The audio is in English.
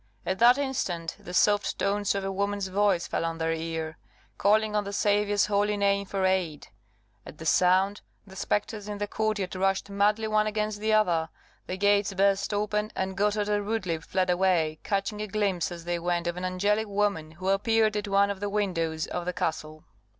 At that instant the soft tones of a woman's voice fell on their ear, calling on the Saviour's holy name for aid; at the sound, the spectres in the court yard rushed madly one against the other, the gates burst open, and Gotthard and Rudlieb fled away, catching a glimpse as they went of an angelic woman who appeared at one of the windows of the castle.